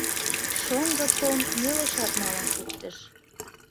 Шоҥго Том нелешат налын шуктыш.